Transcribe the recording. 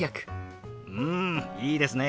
うんいいですね！